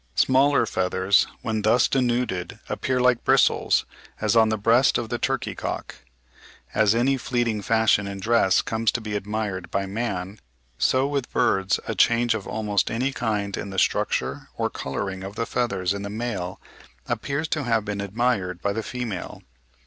Smaller feathers when thus denuded appear like bristles, as on the breast of the turkey cock. As any fleeting fashion in dress comes to be admired by man, so with birds a change of almost any kind in the structure or colouring of the feathers in the male appears to have been admired by the female.